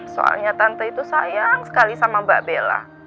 soalnya tante itu sayang sekali sama mbak bella